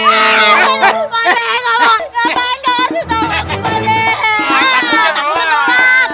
eh pak ade ngapain gak kasih tau aku pak ade